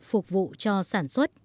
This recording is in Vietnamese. phục vụ cho sản xuất